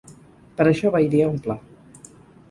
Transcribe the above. Per això va idear un pla.